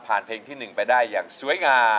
เพลงที่๑ไปได้อย่างสวยงาม